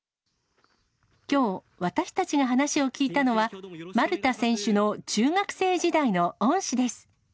きょう、私たちが話を聞いたのは、丸田選手の中学生時代の恩師です。